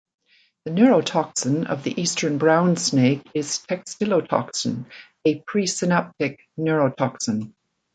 The neurotoxin of the eastern brown snake is textilotoxin, a presynaptic neurotoxin.